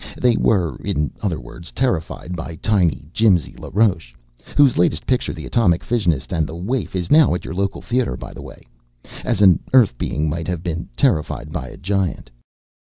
They were, in other words, terrified by tiny Jimsy LaRoche whose latest picture, 'The Atomic Fissionist and the Waif,' is now at your local theatre, by the way as an Earth being might have been terrified by a giant!"